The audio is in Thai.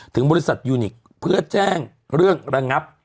ถึงบริษัทยูนิคเพื่อแจ้งเรื่องระงับ